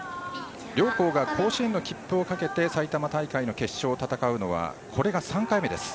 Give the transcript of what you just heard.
両校が甲子園の切符をかけて埼玉大会の決勝を戦うのはこれが３回目です。